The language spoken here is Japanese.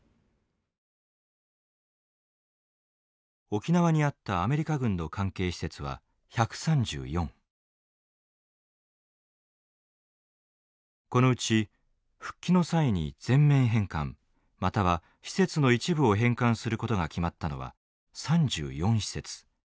沖縄にあったアメリカ軍の関係施設はこのうち復帰の際に全面返還または施設の一部を返還することが決まったのは３４施設。